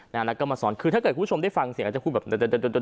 แล้วก็มาสอนคือถ้าเกิดคุณผู้ชมได้ฟังเสียงอาจจะพูดแบบเดิน